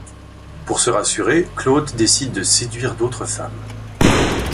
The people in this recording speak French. Pour se rassurer, Claude décide de séduire d'autres femmes.